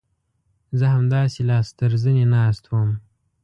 زه همداسې لاس تر زنې ناست وم.